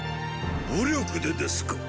武力でですか！